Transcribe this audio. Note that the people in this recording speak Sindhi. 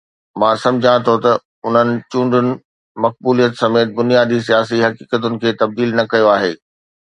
مان سمجهان ٿو ته انهن چونڊن مقبوليت سميت بنيادي سياسي حقيقتن کي تبديل نه ڪيو آهي.